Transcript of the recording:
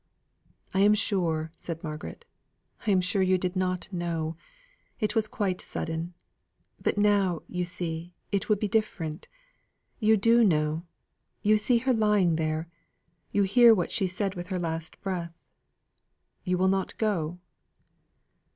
"I am sure," said Margaret, "I am sure you did not know; it was quite sudden. But, now, you see, it would be different; you do know; you do see her lying there; you hear what she said with her last breath. You will not go?"